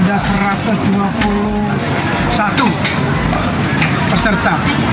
ada satu ratus dua puluh satu peserta